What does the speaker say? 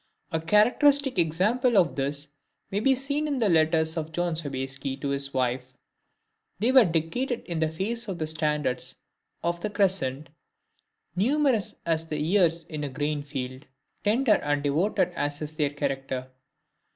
A characteristic example of this may be seen in the letters of Jean Sobieski to his wife. They were dictated in face of the standards of the Crescent, "numerous as the ears in a grain field," tender and devoted as is their character.